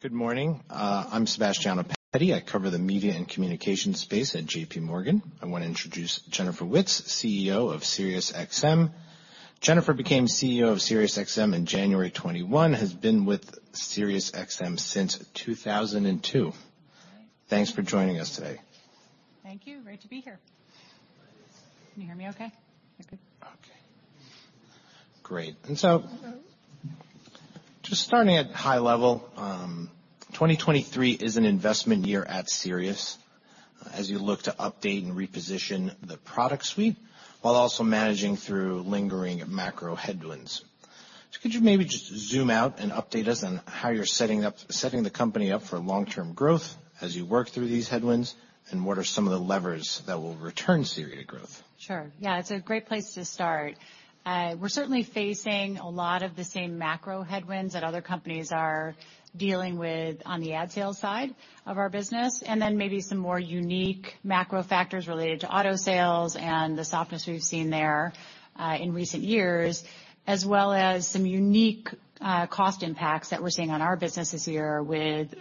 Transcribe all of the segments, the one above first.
Good morning. I'm Sebastiano Petti. I cover the media and communication space at J.P. Morgan. I wanna introduce Jennifer Witz, CEO of SiriusXM. Jennifer became CEO of SiriusXM in January 2021, has been with SiriusXM since 2002. Thanks for joining us today. Thank you. Great to be here. Can you hear me okay? That's good. Okay. Great. Just starting at high level, 2023 is an investment year at Sirius as you look to update and reposition the product suite, while also managing through lingering macro headwinds. Could you maybe just zoom out and update us on how you're setting the company up for long-term growth as you work through these headwinds, and what are some of the levers that will return Sirius to growth? Sure. Yeah, it's a great place to start. We're certainly facing a lot of the same macro headwinds that other companies are dealing with on the ad sales side of our business, and then maybe some more unique macro factors related to auto sales and the softness we've seen there in recent years. As well as some unique cost impacts that we're seeing on our business this year with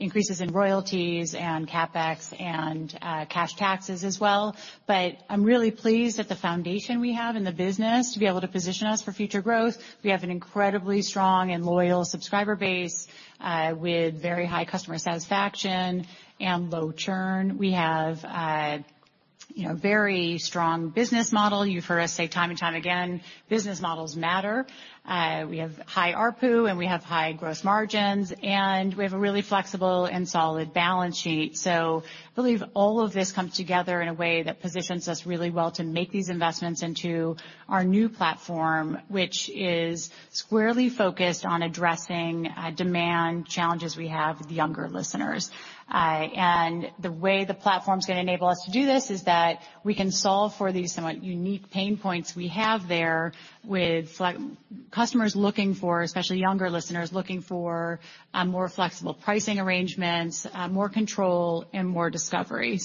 increases in royalties and CapEx and cash taxes as well. I'm really pleased at the foundation we have in the business to be able to position us for future growth. We have an incredibly strong and loyal subscriber base with very high customer satisfaction and low churn. We have, you know, very strong business model. You've heard us say time and time again, business models matter. We have high ARPU, and we have high gross margins, and we have a really flexible and solid balance sheet. I believe all of this comes together in a way that positions us really well to make these investments into our new platform, which is squarely focused on addressing demand challenges we have with younger listeners. The way the platform's gonna enable us to do this is that we can solve for these somewhat unique pain points we have there with slight customers looking for, especially younger listeners, looking for more flexible pricing arrangements, more control and more discovery.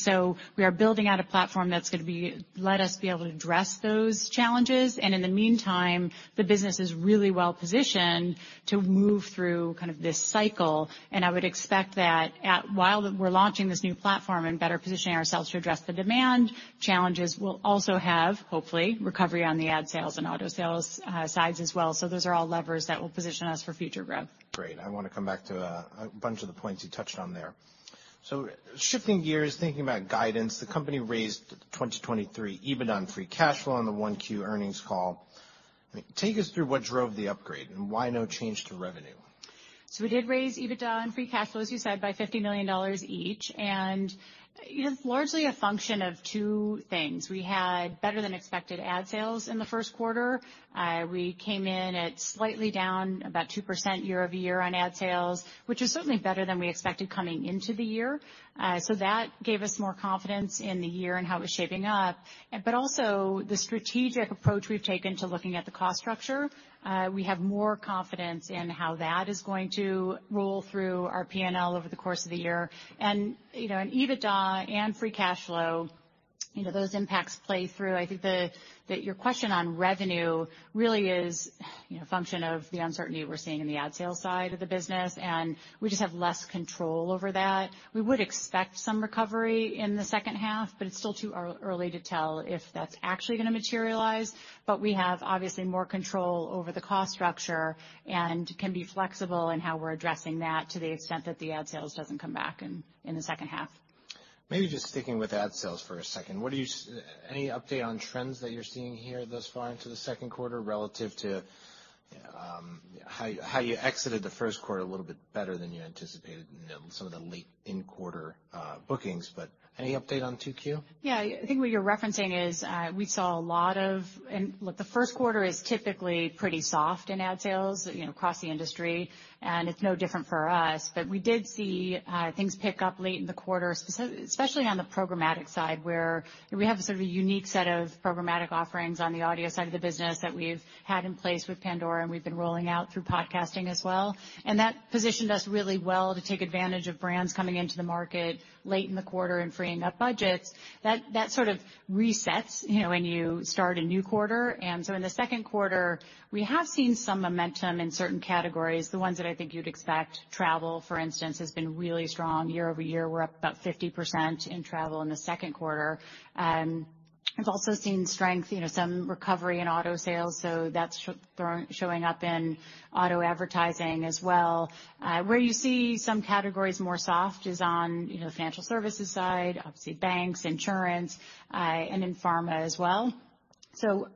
We are building out a platform that's gonna let us be able to address those challenges. In the meantime, the business is really well-positioned to move through kind of this cycle. I would expect that while we're launching this new platform and better positioning ourselves to address the demand challenges, we'll also have, hopefully, recovery on the ad sales and auto sales sides as well. Those are all levers that will position us for future growth. Great. I wanna come back to a bunch of the points you touched on there. Shifting gears, thinking about guidance, the company raised 2023 EBITDA and free cash flow on the 1Q earnings call. Take us through what drove the upgrade and why no change to revenue. We did raise EBITDA and free cash flow, as you said, by $50 million each. You know, it's largely a function of two things. We had better than expected ad sales in the first quarter. We came in at slightly down about 2% year-over-year on ad sales, which is certainly better than we expected coming into the year. That gave us more confidence in the year and how it was shaping up. Also the strategic approach we've taken to looking at the cost structure, we have more confidence in how that is going to roll through our P&L over the course of the year. You know, in EBITDA and free cash flow, you know, those impacts play through. I think that your question on revenue really is, you know, function of the uncertainty we're seeing in the ad sales side of the business. We just have less control over that. We would expect some recovery in the second half. It's still too early to tell if that's actually gonna materialize. We have, obviously, more control over the cost structure and can be flexible in how we're addressing that to the extent that the ad sales doesn't come back in the second half. Maybe just sticking with ad sales for a second. Any update on trends that you're seeing here thus far into the second quarter relative to, how you exited the first quarter a little bit better than you anticipated in some of the late in quarter bookings, but any update on 2Q? Yeah. I think what you're referencing is, we saw a lot of-- Look, the first quarter is typically pretty soft in ad sales, you know, across the industry, and it's no different for us. We did see things pick up late in the quarter, especially on the programmatic side, where we have sort of a unique set of programmatic offerings on the audio side of the business that we've had in place with Pandora, and we've been rolling out through podcasting as well. That positioned us really well to take advantage of brands coming into the market late in the quarter and freeing up budgets. That sort of resets, you know, when you start a new quarter. In the second quarter, we have seen some momentum in certain categories. The ones that I think you'd expect, travel, for instance, has been really strong year-over-year. We're up about 50% in travel in the second quarter. We've also seen strength, you know, some recovery in auto sales, That's showing up in auto advertising as well. Where you see some categories more soft is on, you know, the financial services side, obviously banks, insurance, and in pharma as well. You know,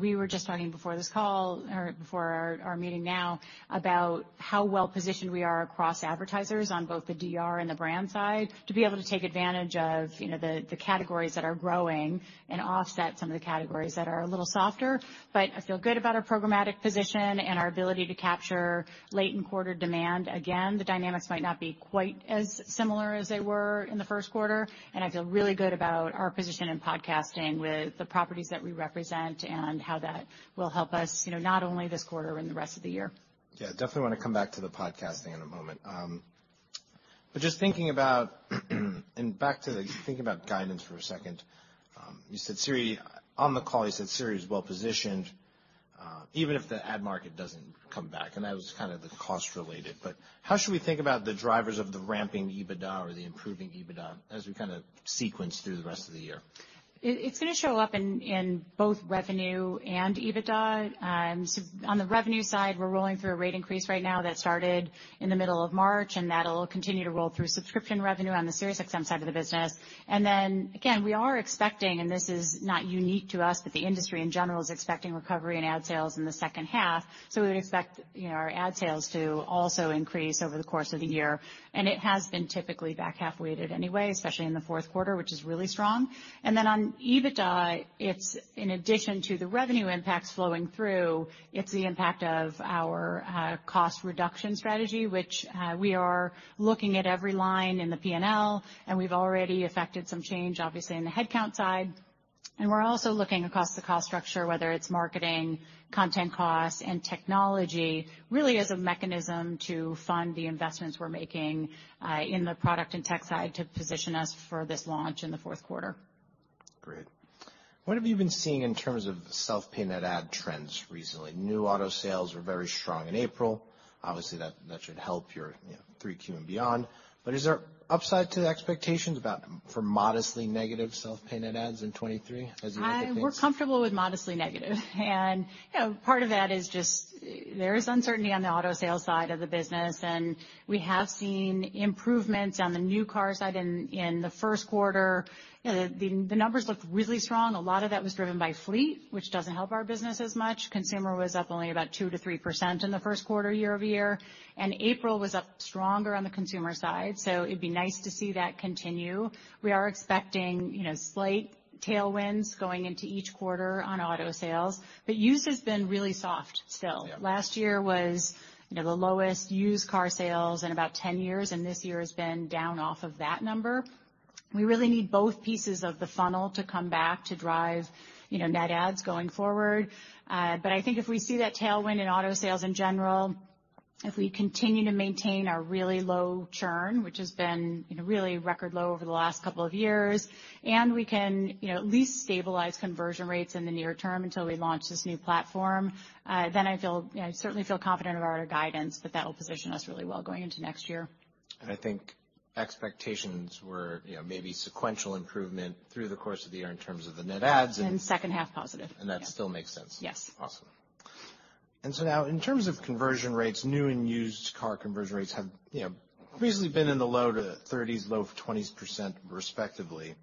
we were just talking before this call or before our meeting now about how well-positioned we are across advertisers on both the DR and the brand side to be able to take advantage of, you know, the categories that are growing and offset some of the categories that are a little softer. I feel good about our programmatic position and our ability to capture late in quarter demand. Again, the dynamics might not be quite as similar as they were in the first quarter. I feel really good about our position in podcasting with the properties that we represent and how that will help us, you know, not only this quarter and the rest of the year. Yeah, definitely wanna come back to the podcasting in a moment. Just thinking about guidance for a second, you said SIRI. On the call, you said SIRI is well-positioned, even if the ad market doesn't come back, and that was kinda the cost related. How should we think about the drivers of the ramping EBITDA or the improving EBITDA as we kinda sequence through the rest of the year? It's gonna show up in both revenue and EBITDA. On the revenue side, we're rolling through a rate increase right now that started in the middle of March, and that'll continue to roll through subscription revenue on the SiriusXM side of the business. Again, we are expecting, and this is not unique to us, but the industry, in general, is expecting recovery in ad sales in the second half. We would expect, you know, our ad sales to also increase over the course of the year. It has been typically back-half weighted anyway, especially in the fourth quarter, which is really strong. On EBITDA, it's in addition to the revenue impacts flowing through, it's the impact of our cost reduction strategy, which we are looking at every line in the P&L, and we've already affected some change, obviously, in the headcount side. We're also looking across the cost structure, whether it's marketing, content costs, and technology, really as a mechanism to fund the investments we're making in the product and tech side to position us for this launch in the fourth quarter. Great. What have you been seeing in terms of self-pay net add trends recently? New auto sales were very strong in April. Obviously, that should help your, you know, 3Q and beyond. Is there upside to the expectations about, for modestly negative self-pay net adds in 2023 as you look at things? We're comfortable with modestly negative. You know, part of that is just there is uncertainty on the auto sales side of the business, and we have seen improvements on the new car side in the first quarter. You know, the numbers looked really strong. A lot of that was driven by fleet, which doesn't help our business as much. Consumer was up only about 2%-3% in the first quarter year-over-year, and April was up stronger on the consumer side. It'd be nice to see that continue. We are expecting, you know, slight tailwinds going into each quarter on auto sales. Used has been really soft still. Yeah. Last year was, you know, the lowest used car sales in about 10 years, and this year has been down off of that number. We really need both pieces of the funnel to come back to drive, you know, net adds going forward. I think if we see that tailwind in auto sales in general, if we continue to maintain our really low churn, which has been, you know, really record low over the last couple of years, and we can, you know, at least stabilize conversion rates in the near term until we launch this new platform, then I feel, you know, I certainly feel confident about our guidance that that will position us really well going into next year. I think expectations were, you know, maybe sequential improvement through the course of the year in terms of the net adds. Second half positive. That still makes sense. Yes. Now in terms of conversion rates, new and used car conversion rates have, you know, previously been in the low to 30s, low 20s% respectively,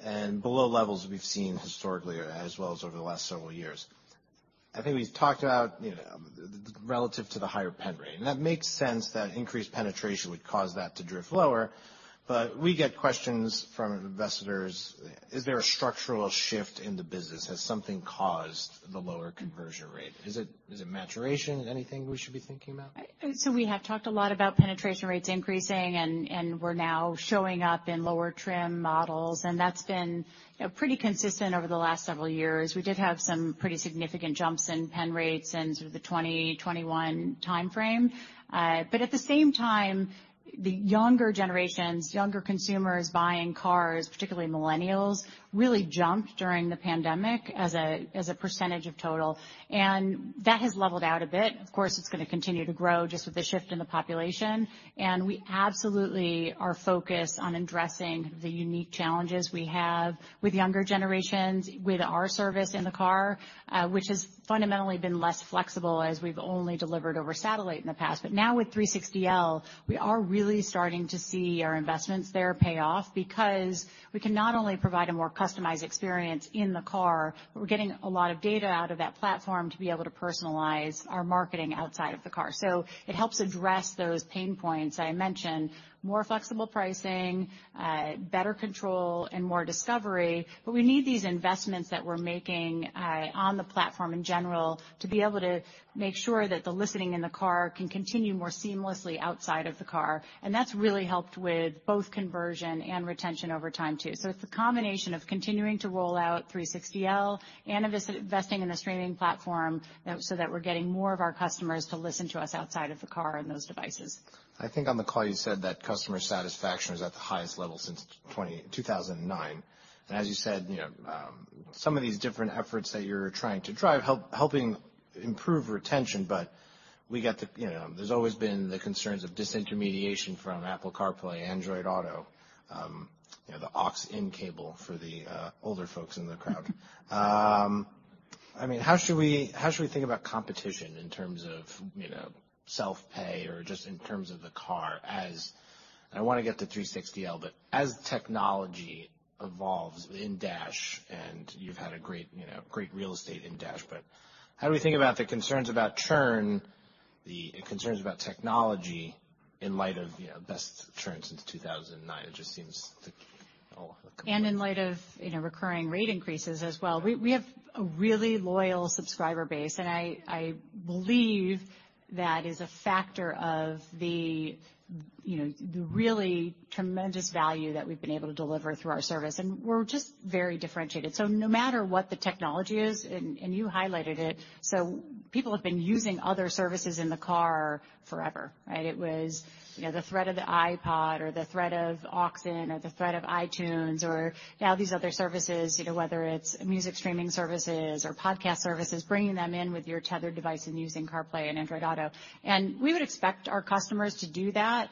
and below levels we've seen historically as well as over the last several years. I think we've talked about, you know, relative to the higher pen rate, and that makes sense that increased penetration would cause that to drift lower. But we get questions from investors, is there a structural shift in the business? Has something caused the lower conversion rate? Is it maturation? Anything we should be thinking about? We have talked a lot about penetration rates increasing and we're now showing up in lower trim models, and that's been, you know, pretty consistent over the last several years. We did have some pretty significant jumps in pen rates in sort of the 2020, 2021 timeframe. At the same time, the younger generations, younger consumers buying cars, particularly millennials, really jumped during the pandemic as a percentage of total, and that has leveled out a bit. Of course, it's gonna continue to grow just with the shift in the population. We absolutely are focused on addressing the unique challenges we have with younger generations with our service in the car, which has fundamentally been less flexible as we've only delivered over satellite in the past. Now with 360L, we are really starting to see our investments there pay off because we can not only provide a more customized experience in the car, but we're getting a lot of data out of that platform to be able to personalize our marketing outside of the car. It helps address those pain points I mentioned, more flexible pricing, better control, and more discovery. We need these investments that we're making on the platform in general to be able to make sure that the listening in the car can continue more seamlessly outside of the car. That's really helped with both conversion and retention over time too. It's a combination of continuing to roll out 360L and investing in the streaming platform so that we're getting more of our customers to listen to us outside of the car on those devices. I think on the call you said that customer satisfaction was at the highest level since 2009. As you said, you know, some of these different efforts that you're trying to drive helping improve retention, but we get the, you know, there's always been the concerns of disintermediation from Apple CarPlay, Android Auto, you know, the aux in cable for the older folks in the crowd. I mean, how should we, how should we think about competition in terms of, you know, self-pay or just in terms of the car? I wanna get to 360L, but as technology evolves in dash, and you've had a great, you know, great real estate in dash, but how do we think about the concerns about churn, the concerns about technology in light of, you know, best churn since 2009? It just seems. In light of, you know, recurring rate increases as well, we have a really loyal subscriber base, and I believe that is a factor of the, you know, the really tremendous value that we've been able to deliver through our service. We're just very differentiated. No matter what the technology is, and you highlighted it, so people have been using other services in the car forever, right? It was, you know, the threat of the iPod or the threat of Aux-In or the threat of iTunes or now these other services, you know, whether it's music streaming services or podcast services, bringing them in with your tethered device and using CarPlay and Android Auto. We would expect our customers to do that.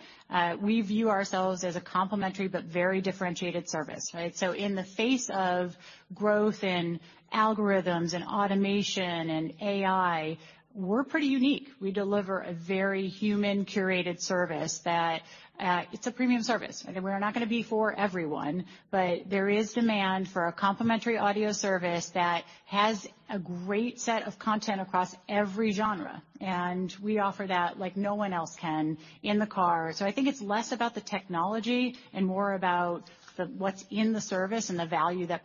We view ourselves as a complementary but very differentiated service, right? In the face of growth in algorithms and automation and AI, we're pretty unique. We deliver a very human-curated service that, it's a premium service. I mean, we're not gonna be for everyone, but there is demand for a complementary audio service that has a great set of content across every genre. We offer that like no one else can in the car. I think it's less about the technology and more about what's in the service and the value that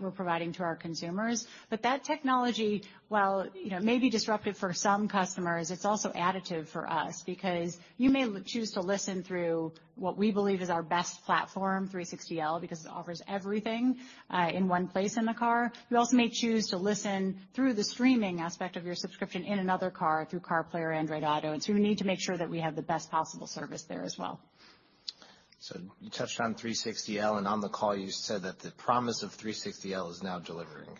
we're providing to our consumers. That technology, while, you know, may be disruptive for some customers, it's also additive for us because you may choose to listen through what we believe is our best platform, 360L, because it offers everything in one place in the car. You also may choose to listen through the streaming aspect of your subscription in another car through CarPlay or Android Auto, and so we need to make sure that we have the best possible service there as well. You touched on 360L, and on the call you said that the promise of 360L is now delivering.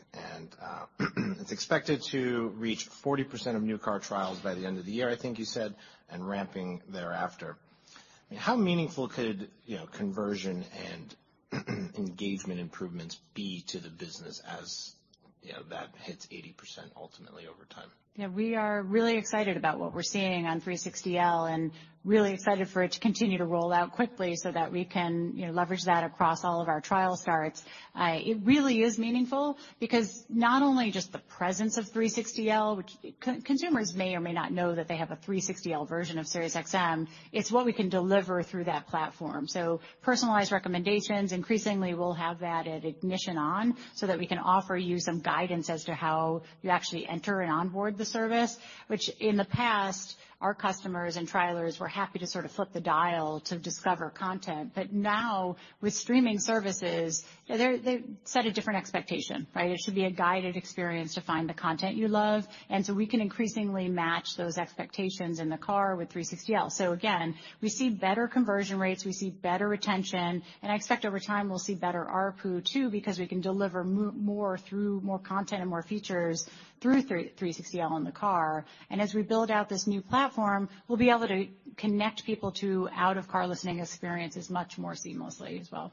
It's expected to reach 40% of new car trials by the end of the year, I think you said, and ramping thereafter. How meaningful could, you know, conversion and engagement improvements be to the business as, you know, that hits 80% ultimately over time? Yeah, we are really excited about what we're seeing on 360L and really excited for it to continue to roll out quickly so that we can, you know, leverage that across all of our trial starts. It really is meaningful because not only just the presence of 360L, which consumers may or may not know that they have a 360L version of SiriusXM, it's what we can deliver through that platform. Personalized recommendations, increasingly we'll have that at ignition on so that we can offer you some guidance as to how you actually enter and onboard the service, which in the past our customers and trialers were happy to sort of flip the dial to discover content. Now with streaming services, they set a different expectation, right? It should be a guided experience to find the content you love. We can increasingly match those expectations in the car with 360L. Again, we see better conversion rates, we see better retention, and I expect over time we'll see better ARPU too because we can deliver more through more content and more features through 360L in the car. As we build out this new platform, we'll be able to connect people to out-of-car listening experiences much more seamlessly as well.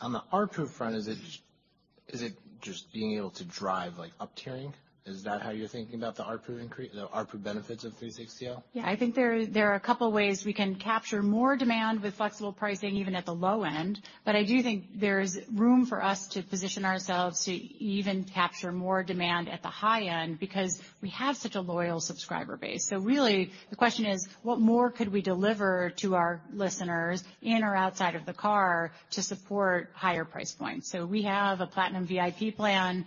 On the ARPU front, is it just being able to drive, like, uptiering? Is that how you're thinking about the ARPU increase, the ARPU benefits of 360L? Yeah. I think there are a couple ways we can capture more demand with flexible pricing even at the low end. I do think there's room for us to position ourselves to even capture more demand at the high end because we have such a loyal subscriber base. Really the question is, what more could we deliver to our listeners in or outside of the car to support higher price points? We have a Platinum VIP plan,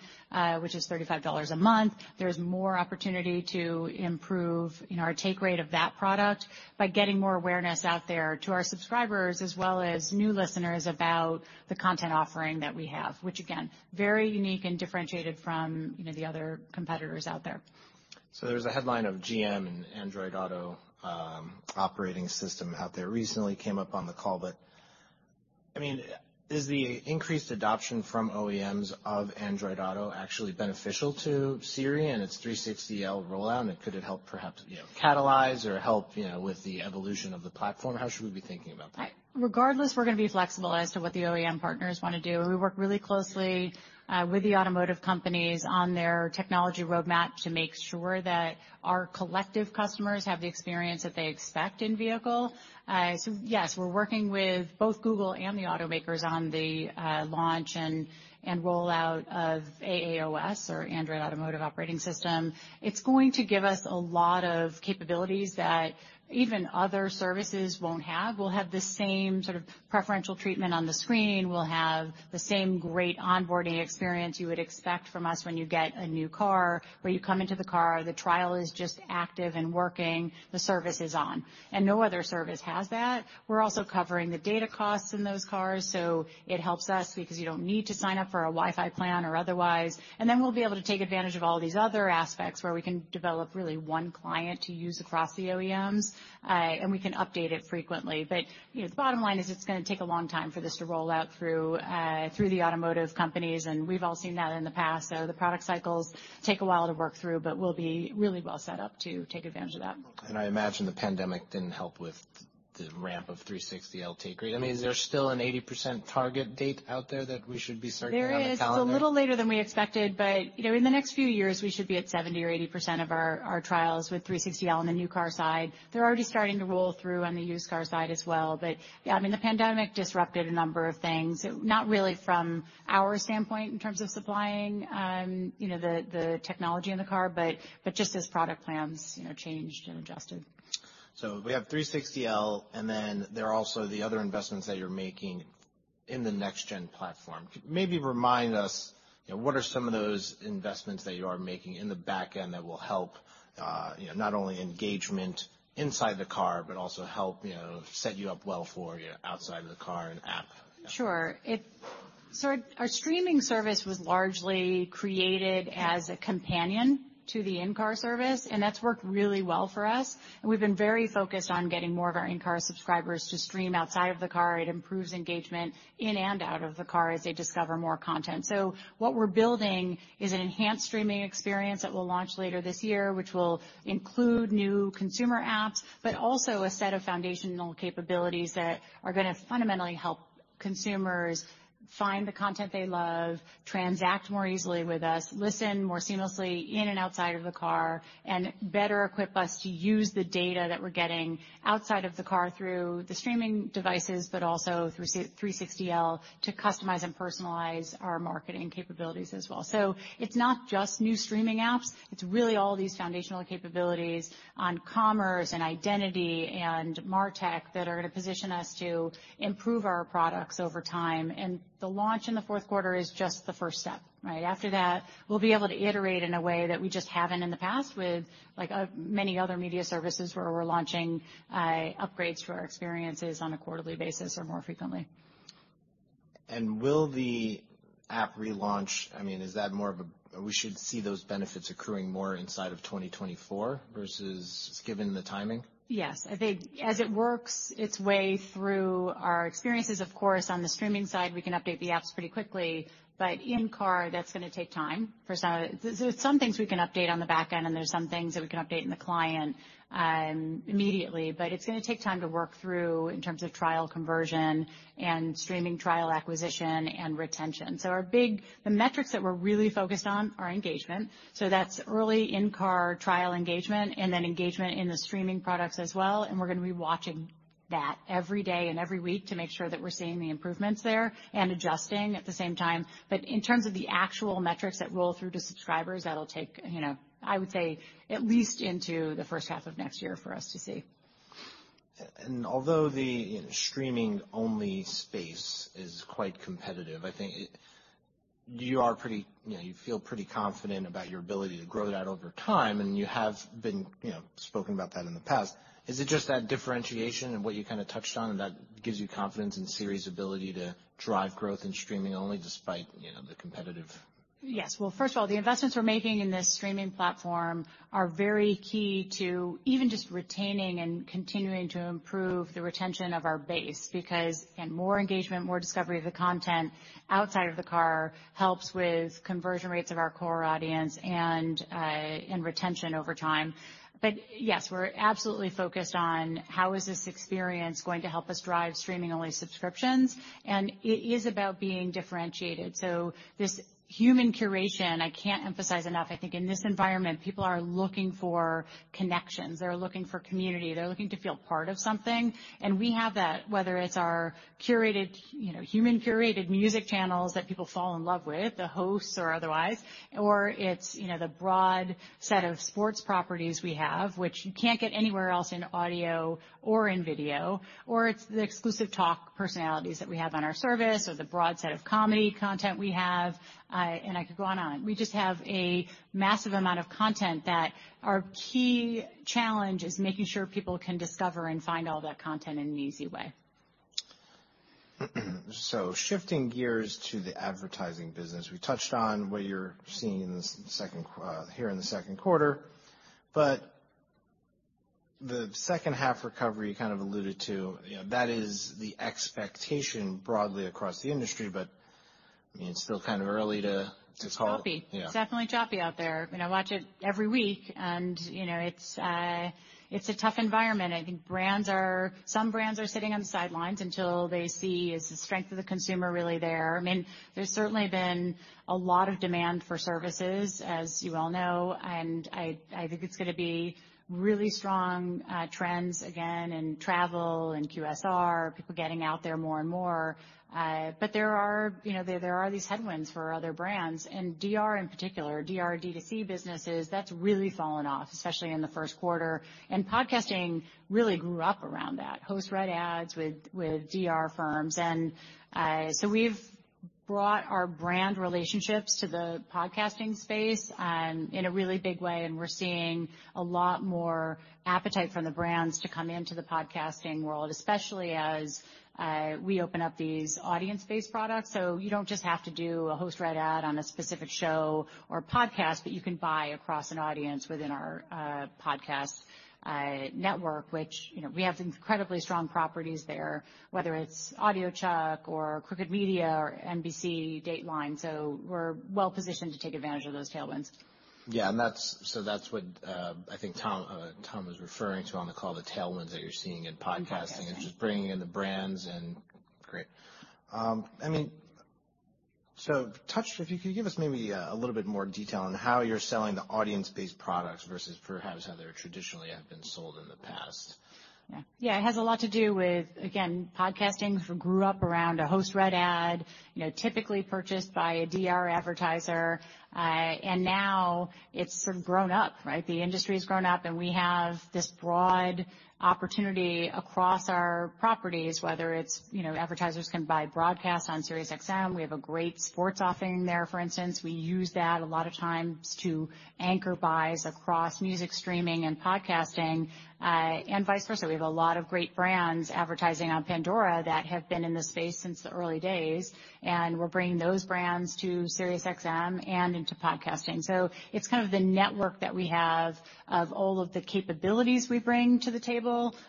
which is $35 a month. There's more opportunity to improve, you know, our take rate of that product by getting more awareness out there to our subscribers as well as new listeners about the content offering that we have, which again, very unique and differentiated from, you know, the other competitors out there. There's a headline of GM and Android Auto, operating system out there recently came up on the call. I mean, is the increased adoption from OEMs of Android Auto actually beneficial to SIRI and its 360L rollout, and could it help perhaps, you know, catalyze or help, you know, with the evolution of the platform? How should we be thinking about that? Right. Regardless, we're gonna be flexible as to what the OEM partners wanna do. We work really closely with the automotive companies on their technology roadmap to make sure that our collective customers have the experience that they expect in vehicle. Yes, we're working with both Google and the automakers on the launch and rollout of AAOS or Android Automotive Operating System. It's going to give us a lot of capabilities that even other services won't have. We'll have the same sort of preferential treatment on the screen. We'll have the same great onboarding experience you would expect from us when you get a new car, where you come into the car, the trial is just active and working, the service is on. No other service has that. We're also covering the data costs in those cars, so it helps us because you don't need to sign up for a Wi-Fi plan or otherwise. We'll be able to take advantage of all these other aspects where we can develop really one client to use across the OEMs, and we can update it frequently. You know, the bottom line is it's gonna take a long time for this to roll out through the automotive companies, and we've all seen that in the past. The product cycles take a while to work through, but we'll be really well set up to take advantage of that. I imagine the pandemic didn't help with the ramp of 360L take rate. I mean, is there still an 80% target date out there that we should be circling on the calendar? There is. It's a little later than we expected, but, you know, in the next few years, we should be at 70% or 80% of our trials with 360L on the new car side. They're already starting to roll through on the used cars side as well. Yeah, I mean, the pandemic disrupted a number of things, not really from our standpoint in terms of supplying, you know, the technology in the car, but just as product plans, you know, changed and adjusted. We have 360L and then there are also the other investments that you're making in the next gen platform. Could maybe remind us, you know, what are some of those investments that you are making in the back end that will help, you know, not only engagement inside the car, but also help, you know, set you up well for your outside of the car and app? Sure. Our streaming service was largely created as a companion to the in-car service, and that's worked really well for us. We've been very focused on getting more of our in-car subscribers to stream outside of the car. It improves engagement in and out of the car as they discover more content. What we're building is an enhanced streaming experience that we'll launch later this year, which will include new consumer apps, but also a set of foundational capabilities that are gonna fundamentally help consumers find the content they love, transact more easily with us, listen more seamlessly in and outside of the car, and better equip us to use the data that we're getting outside of the car through the streaming devices, but also through 360L to customize and personalize our marketing capabilities as well. It's not just new streaming apps, it's really all these foundational capabilities on commerce and identity and MarTech that are gonna position us to improve our products over time. The launch in the fourth quarter is just the first step, right? After that, we'll be able to iterate in a way that we just haven't in the past with like many other media services where we're launching upgrades to our experiences on a quarterly basis or more frequently. Will the app relaunch, I mean, is that We should see those benefits accruing more inside of 2024 versus given the timing? Yes. I think as it works its way through our experiences, of course, on the streaming side, we can update the apps pretty quickly, but in-car, that's gonna take time for some. There's some things we can update on the back end, and there's some things that we can update in the client immediately. It's gonna take time to work through in terms of trial conversion and streaming trial acquisition and retention. The metrics that we're really focused on are engagement. That's early in-car trial engagement and then engagement in the streaming products as well. We're gonna be watching that every day and every week to make sure that we're seeing the improvements there and adjusting at the same time. In terms of the actual metrics that roll through to subscribers, that'll take, you know, I would say, at least into the first half of next year for us to see. Although the streaming-only space is quite competitive, I think you are pretty, you know, you feel pretty confident about your ability to grow that over time, and you have been, you know, spoken about that in the past. Is it just that differentiation and what you kinda touched on that gives you confidence in Sirius' ability to drive growth in streaming only despite, you know, the competitive? Yes. Well, first of all, the investments we're making in this streaming platform are very key to even just retaining and continuing to improve the retention of our base because, again, more engagement, more discovery of the content outside of the car helps with conversion rates of our core audience and retention over time. Yes, we're absolutely focused on how is this experience going to help us drive streaming-only subscriptions, and it is about being differentiated. This human curation, I can't emphasize enough. I think in this environment, people are looking for connections, they're looking for community, they're looking to feel part of something. We have that, whether it's our curated, you know, human-curated music channels that people fall in love with, the hosts or otherwise, or it's, you know, the broad set of sports properties we have, which you can't get anywhere else in audio or in video, or it's the exclusive talk personalities that we have on our service or the broad set of comedy content we have. I could go on and on. We just have a massive amount of content that our key challenge is making sure people can discover and find all that content in an easy way. Shifting gears to the advertising business. We touched on what you're seeing here in the second quarter, but the second half recovery you kind of alluded to, you know, that is the expectation broadly across the industry, but I mean, it's still kind of early to call. It's choppy. Yeah. It's definitely choppy out there. You know, I watch it every week and, you know, it's a tough environment. I think some brands are sitting on the sidelines until they see, is the strength of the consumer really there? I mean, there's certainly been a lot of demand for services, as you all know, and I think it's gonna be really strong trends again in travel and QSR, people getting out there more and more. There are, you know, there are these headwinds for other brands and DR in particular, DR, D2C businesses, that's really fallen off, especially in the first quarter. Podcasting really grew up around that. Host read ads with DR firms. We've brought our brand relationships to the podcasting space in a really big way, and we're seeing a lot more appetite from the brands to come into the podcasting world, especially as we open up these audience-based products. You don't just have to do a host read ad on a specific show or podcast, but you can buy across an audience within our podcast network, which, you know, we have incredibly strong properties there, whether it's audiochuck or Crooked Media or Dateline NBC. We're well-positioned to take advantage of those tailwinds. Yeah. That's what I think Tom was referring to on the call, the tailwinds that you're seeing in podcasting. Podcasting Just bringing in the brands and. Great. I mean, If you could give us maybe a little bit more detail on how you're selling the audience-based products versus perhaps how they traditionally have been sold in the past? Yeah, it has a lot to do with, again, podcasting grew up around a host-read ad, you know, typically purchased by a DR advertiser. Now it's sort of grown up, right? The industry's grown up, and we have this broad opportunity across our properties, whether it's, you know, advertisers can buy broadcast on SiriusXM. We have a great sports offering there, for instance. We use that a lot of times to anchor buys across music streaming and podcasting, vice versa. We have a lot of great brands advertising on Pandora that have been in this space since the early days, and we're bringing those brands to SiriusXM and into podcasting. It's kind of the network that we have of all of the capabilities we bring to the table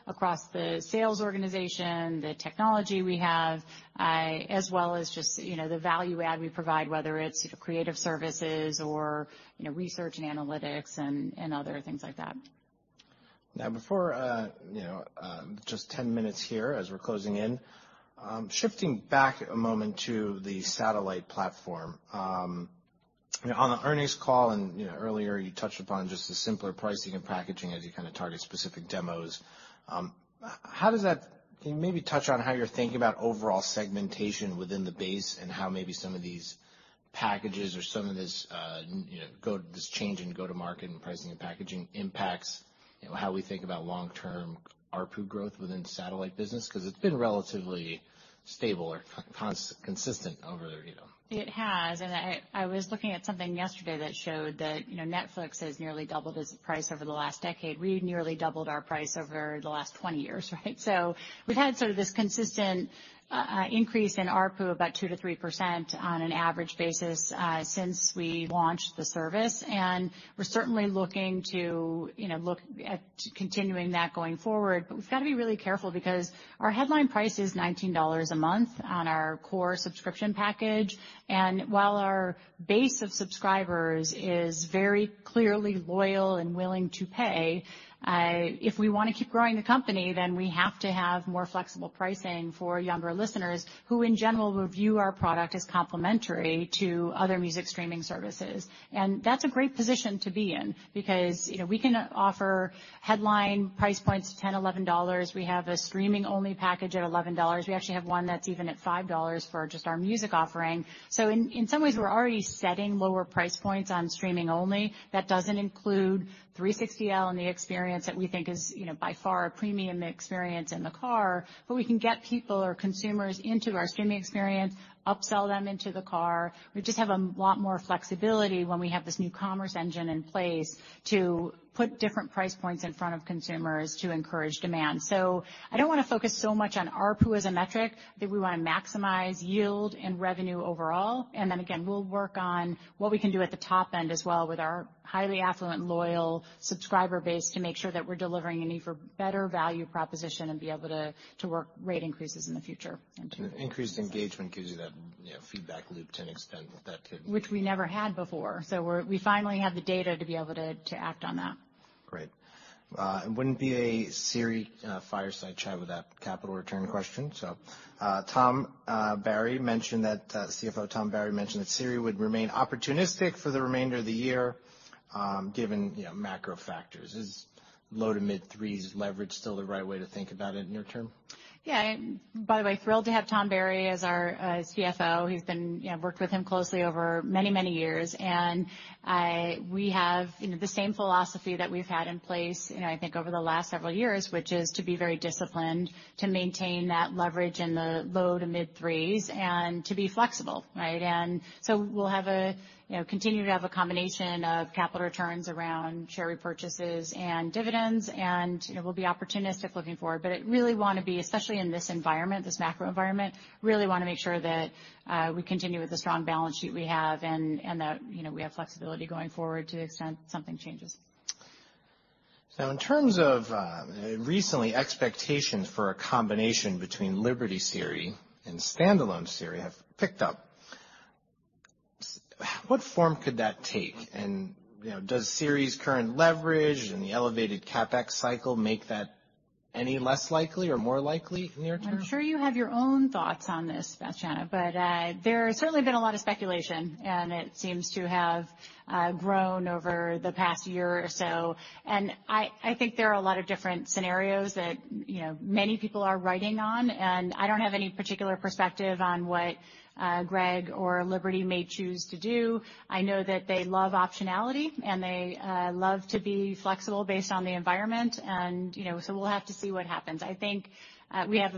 across the sales organization, the technology we have, as well as just, you know, the value add we provide, whether it's creative services or, you know, research and analytics and other things like that. Before, you know, just 10 minutes here as we're closing in, shifting back a moment to the satellite platform. On the earnings call and, you know, earlier you touched upon just the simpler pricing and packaging as you kinda target specific demos. Can you maybe touch on how you're thinking about overall segmentation within the base and how maybe some of these packages or some of this, you know, this change in go-to-market and pricing and packaging impacts, you know, how we think about long-term ARPU growth within satellite business? 'Cause it's been relatively stable or consistent over, you know. It has, and I was looking at something yesterday that showed that, you know, Netflix has nearly doubled its price over the last decade. We've nearly doubled our price over the last 20 years, right? We've had sort of this consistent increase in ARPU, about 2%-3% on an average basis since we launched the service, and we're certainly looking to, you know, look at continuing that going forward. We've gotta be really careful because our headline price is $19 a month on our core subscription package, and while our base of subscribers is very clearly loyal and willing to pay, if we wanna keep growing the company, then we have to have more flexible pricing for younger listeners who, in general, view our product as complementary to other music streaming services. That's a great position to be in because, you know, we can offer headline price points, $10, $11. We have a streaming-only package at $11. We actually have one that's even at $5 for just our music offering. In, in some ways, we're already setting lower price points on streaming only. That doesn't include 360L and the experience that we think is, you know, by far a premium experience in the car, but we can get people or consumers into our streaming experience, upsell them into the car. We just have a lot more flexibility when we have this new commerce engine in place to put different price points in front of consumers to encourage demand. I don't wanna focus so much on ARPU as a metric, I think we wanna maximize yield and revenue overall. Again, we'll work on what we can do at the top end as well with our highly affluent, loyal subscriber base to make sure that we're delivering an even better value proposition and be able to work rate increases in the future and to. Increased engagement gives you that, you know, feedback loop to an extent that. Which we never had before. We finally have the data to be able to act on that. Great. It wouldn't be a SIRI fireside chat without capital return question. Tom Barry mentioned that CFO Tom Barry mentioned that SIRI would remain opportunistic for the remainder of the year, given, you know, macro factors. Is low-to-mid 3s leverage still the right way to think about it near term? Yeah. By the way, thrilled to have Tom Barry as our CFO. He's been. You know, I've worked with him closely over many, many years. We have, you know, the same philosophy that we've had in place, you know, I think over the last several years, which is to be very disciplined, to maintain that leverage in the low-to-mid 3s and to be flexible, right? We'll have a, you know, continue to have a combination of capital returns around share repurchases and dividends, and, you know, we'll be opportunistic looking forward. I really wanna be, especially in this environment, this macro environment, really wanna make sure that we continue with the strong balance sheet we have and that, you know, we have flexibility going forward to the extent something changes. Now, in terms of, recently, expectations for a combination between Liberty SiriusXM and standalone SIRI have picked up. What form could that take? you know, does SIRI's current leverage and the elevated CapEx cycle make that any less likely or more likely near term? I'm sure you have your own thoughts on this, Sebastiano, but there has certainly been a lot of speculation, and it seems to have grown over the past year or so. I think there are a lot of different scenarios that, you know, many people are writing on, and I don't have any particular perspective on what Greg or Liberty may choose to do. I know that they love optionality and they love to be flexible based on the environment. You know, we'll have to see what happens. I know we have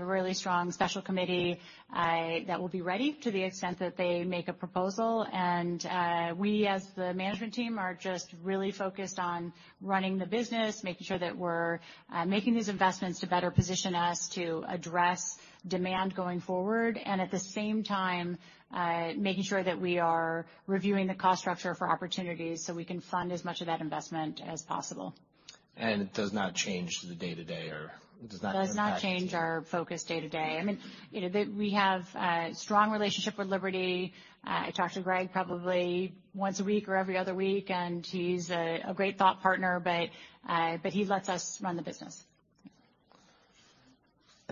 a really strong special committee, that will be ready to the extent that they make a proposal. We as the management team are just really focused on running the business, making sure that we're making these investments to better position us to address demand going forward, and at the same time, making sure that we are reviewing the cost structure for opportunities so we can fund as much of that investment as possible. It does not change the day-to-day or it does not impact-. Does not change our focus day to day. I mean, you know, we have a strong relationship with Liberty. I talk to Greg probably once a week or every other week, and he's a great thought partner, but he lets us run the business.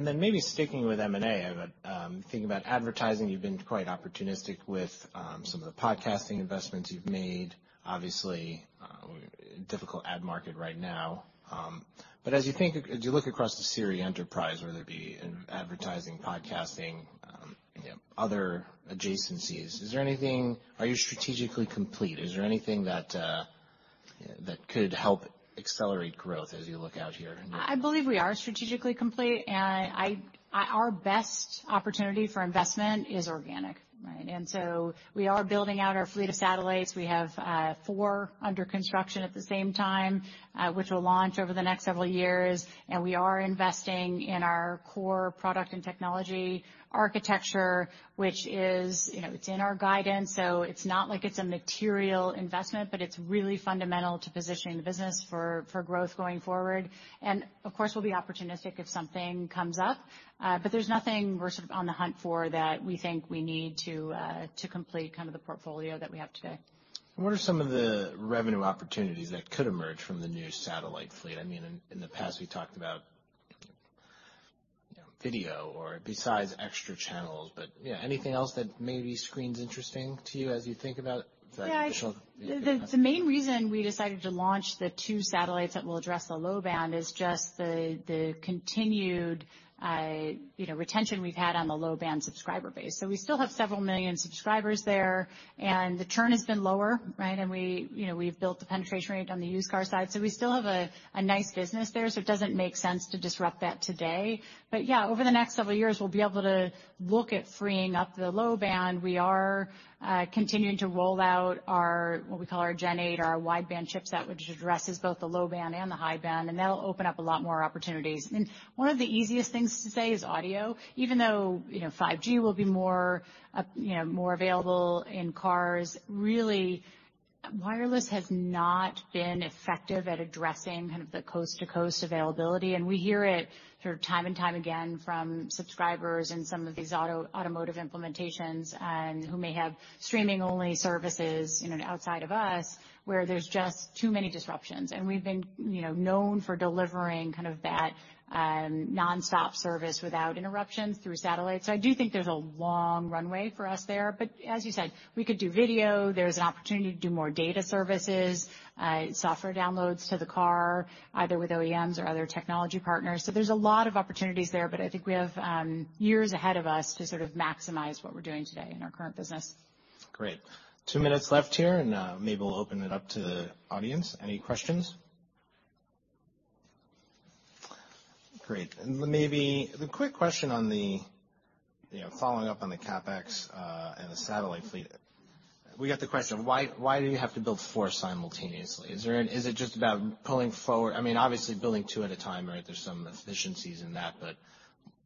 Maybe sticking with M&A, but, thinking about advertising, you've been quite opportunistic with, some of the podcasting investments you've made. Obviously, difficult ad market right now. As you look across the SIRI enterprise, whether it be in advertising, podcasting, you know, other adjacencies, is there anything? Are you strategically complete? Is there anything that could help accelerate growth as you look out here? I believe we are strategically complete, and our best opportunity for investment is organic, right? We are building out our fleet of satellites. We have four under construction at the same time, which will launch over the next several years, and we are investing in our core product and technology architecture, which is, you know, it's in our guidance, so it's not like it's a material investment, but it's really fundamental to positioning the business for growth going forward. Of course, we'll be opportunistic if something comes up, but there's nothing we're sort of on the hunt for that we think we need to complete kind of the portfolio that we have today. What are some of the revenue opportunities that could emerge from the new satellite fleet? I mean, in the past, we talked about, you know, video or besides extra channels, but yeah, anything else that maybe screens interesting to you as you think about additional- Yeah. The main reason we decided to launch the two satellites that will address the low band is just the continued, you know, retention we've had on the low band subscriber base. We still have several million subscribers there, and the churn has been lower, right? We, you know, we've built the penetration rate on the used car side. We still have a nice business there, so it doesn't make sense to disrupt that today. Yeah, over the next several years, we'll be able to look at freeing up the low band. We are continuing to roll out our, what we call our Gen8, our wideband chipset, which addresses both the low band and the high band, and that'll open up a lot more opportunities. One of the easiest things to say is audio. Even though, you know, 5G will be more, you know, available in cars, really wireless has not been effective at addressing kind of the coast-to-coast availability, and we hear it sort of time and time again from subscribers in some of these automotive implementations and who may have streaming-only services, you know, outside of us, where there's just too many disruptions. We've been, you know, known for delivering kind of that nonstop service without interruptions through satellites. I do think there's a long runway for us there. As you said, we could do video. There's an opportunity to do more data services, software downloads to the car, either with OEMs or other technology partners. There's a lot of opportunities there, but I think we have years ahead of us to sort of maximize what we're doing today in our current business. Great. two minutes left here. Maybe we'll open it up to the audience. Any questions? Great. Maybe the quick question on the, you know, following up on the CapEx, and the satellite fleet, we got the question, why do you have to build four simultaneously? Is it just about pulling forward? I mean, obviously building two at a time, right, there's some efficiencies in that, but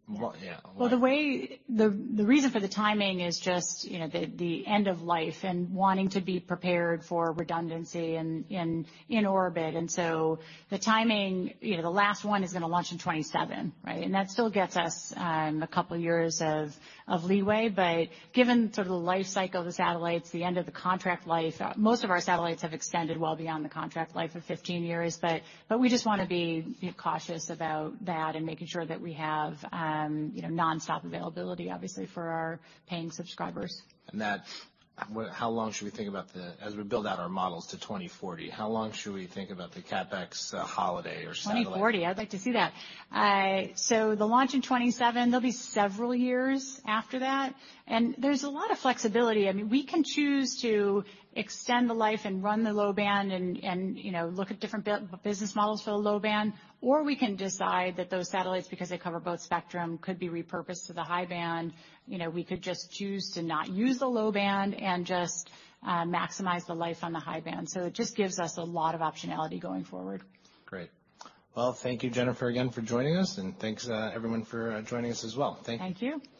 what, Yeah. The reason for the timing is just, you know, the end of life and wanting to be prepared for redundancy in orbit. The timing, you know, the last one is gonna launch in 2027, right? That still gets us a couple years of leeway. Given sort of the life cycle of the satellites, the end of the contract life, most of our satellites have extended well beyond the contract life of 15 years. We just wanna be, you know, cautious about that and making sure that we have, you know, nonstop availability, obviously, for our paying subscribers. That, how long should we think about the, as we build out our models to 2040, how long should we think about the CapEx holiday or satellite? 2040? I'd like to see that. The launch in 2027, there'll be several years after that. There's a lot of flexibility. I mean, we can choose to extend the life and run the low band and, you know, look at different business models for the low band, or we can decide that those satellites, because they cover both spectrum, could be repurposed to the high band. You know, we could just choose to not use the low band and just maximize the life on the high band. It just gives us a lot of optionality going forward. Great. Well, thank you, Jennifer, again for joining us, and thanks, everyone for joining us as well. Thank you. Thank you.